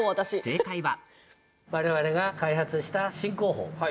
正解は。